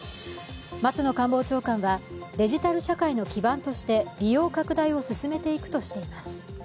松野官房長官はデジタル社会の基盤として、利用拡大を進めていくとしています。